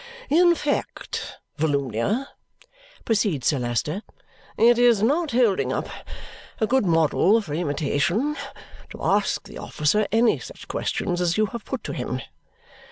"In fact, Volumnia," proceeds Sir Leicester, "it is not holding up a good model for imitation to ask the officer any such questions as you have put to him.